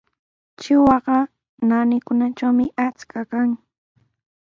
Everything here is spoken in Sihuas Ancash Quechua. Trutrwaqa naanikunatrawmi achka kan.